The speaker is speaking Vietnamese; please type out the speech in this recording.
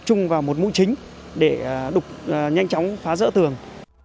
tập trung vào một mũi chính để đục nhanh chóng phá rỡ tường